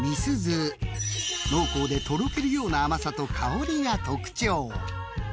［濃厚でとろけるような甘さと香りが特徴］